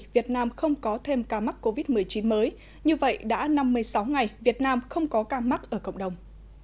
việt nam không có thêm ca mắc covid một mươi chín mới như vậy đã năm mươi sáu ngày việt nam không có ca mắc ở cộng đồng